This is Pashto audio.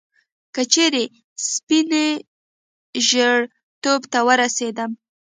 که چیري سپين ژیرتوب ته ورسېدم